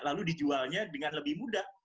lalu dijualnya dengan lebih mudah